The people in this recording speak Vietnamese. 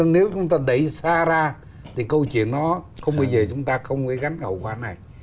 nếu chúng ta đẩy xa ra thì câu chuyện nó không bao giờ chúng ta không gắn hậu quả này